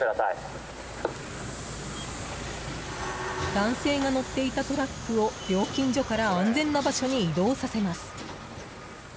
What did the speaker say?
男性が乗っていたトラックを料金所から安全な場所に移動させます。